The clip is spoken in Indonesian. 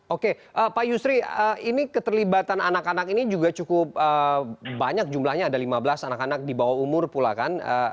oke pak yusri ini keterlibatan anak anak ini juga cukup banyak jumlahnya ada lima belas anak anak di bawah umur pula kan